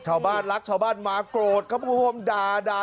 ชาวบ้านรักชาวบ้านมาโกรธเขาพูดพูดพูดด่า